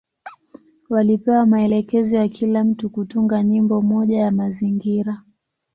Walipewa maelekezo ya kila mtu kutunga nyimbo moja ya mazingira.